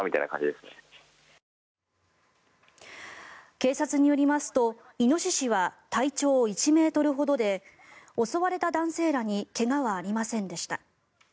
警察によりますとイノシシは体長１ｍほどで襲われた男性らに怪我はありませんでした。